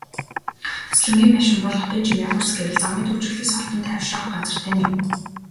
Зуслангийн байшин бол хотын чимээ, хурц гэрэл, замын түгжрэлээс холдон тайвшрах газар тань юм.